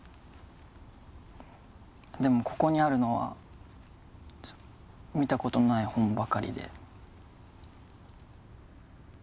でもここにあるのは見たことのない本ばかりで。